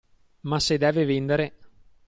Ma se deve vendere…